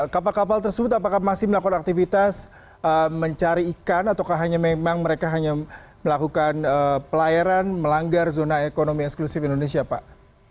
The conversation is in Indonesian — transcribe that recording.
kapal kapal tersebut apakah masih melakukan aktivitas mencari ikan ataukah memang mereka hanya melakukan pelayaran melanggar zona ekonomi eksklusif indonesia pak